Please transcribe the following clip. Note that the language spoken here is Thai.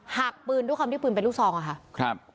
หากปืนด้วยความที่ปืนเป็นลูกซองอะค่ะครับ